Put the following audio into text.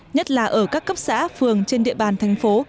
nhất là ở các cấp xã phường trên địa bàn thành phố